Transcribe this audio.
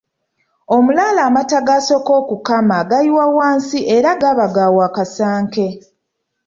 Omulaalo amata g'asooka okukama agayiwa wansi era gaba ga wakasanke.